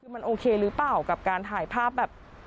คือมันโอเคหรือเปล่ากับการถ่ายภาพแบบ